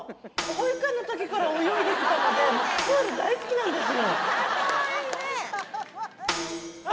保育園のときから泳いできたので、プール大好きなんですよ。